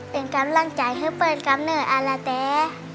เป็นกำลังใจให้เปิ้ลกำเนิดอาละแต่